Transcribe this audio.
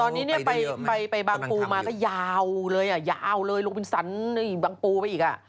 ตอนนี้เนี่ยไปบางปูมาก็ยาวเลยอ่ะยาวเลยลงบินสันบางปูไปอีกอ่ะ